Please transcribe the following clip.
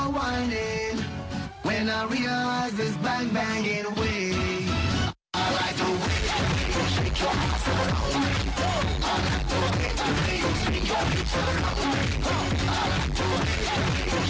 เหมือนเราแบบอาาอยู่อย่างนี้ตลอดเลย